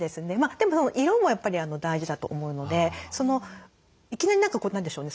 でも色もやっぱり大事だと思うのでいきなり何か何でしょうね